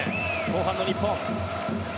後半の日本。